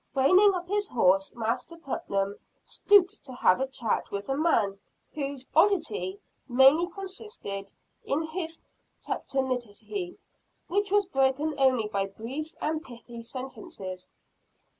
Reining up his horse, Master Putnam stopped to have a chat with the man whose oddity mainly consisted in his taciturnity, which was broken only by brief and pithy sentences.